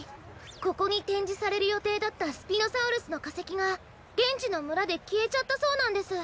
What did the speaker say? ここにてんじされるよていだったスピノサウルスのかせきがげんちのむらできえちゃったそうなんです。